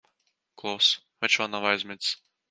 Klusu. Viņš vēl nav aizmidzis.